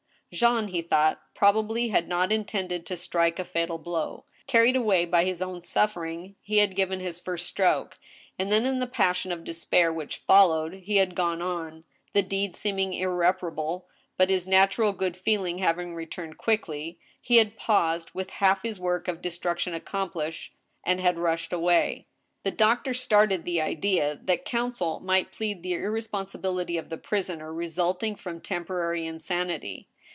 Jean, he thought, probably had not intended to strike a fatal blow. Carried away by his own suffering, he had given his first stroke, and then in the passion of despair which followed, he had gone on, the deed seeming irreparable, but his natural good feeling having returned quickly, he had paused with half his work of de struction accomplished, and had rushed away. The doctor started the idea that counsel might plead, the irre sponsibility of the prisoner resulting from temporary insanity.